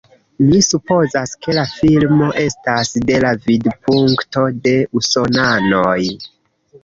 Mi supozas, ke la filmo estas de la vidpunkto de usonanoj